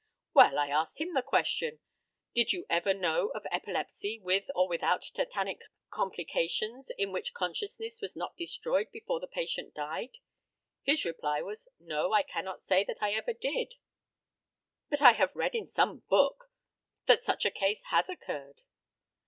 Well, I asked him the question, "Did you ever know of epilepsy, with or without tetanic complications, in which consciousness was not destroyed before the patient died?" His reply was, "No, I cannot say that I ever did, but I have read in some book that such a case has occurred."